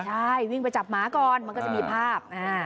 ใช่วิ่งไปจับหมาก่อนมันก็จะมีภาพ